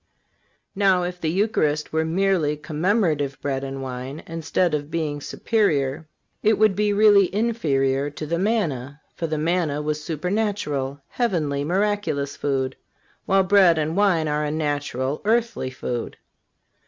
Now, if the Eucharist were merely commemorative bread and wine, instead of being superior, it would be really inferior to the manna; for the manna was supernatural, heavenly, miraculous food, while bread and wine are a natural, earthly food.